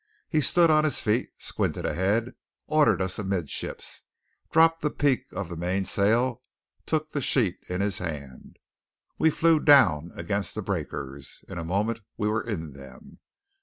He stood on his feet, squinted ahead, ordered us amidships, dropped the peak of the mainsail, took the sheet in his hand. We flew down against the breakers. In a moment we were in them.